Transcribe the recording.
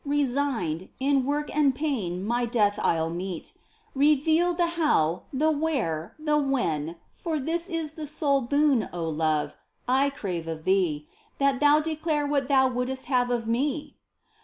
Resigned, in work and pain my death I'll meet, Reveal the how, the where, the when ; for this Is the sole boon, O Love, I crave of Thee, That thou declare what Thou wouldst have of me